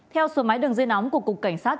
theo số máy đường dây nóng của cục cảnh sát